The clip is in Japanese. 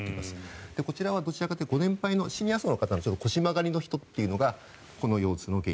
こちらはどちらかというとシニア層の方の腰曲がりの人というのが腰痛の原因。